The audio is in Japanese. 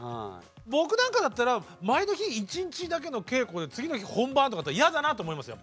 僕なんかだったら前の日１日だけの稽古で次の日本番だったら嫌だなと思いますよ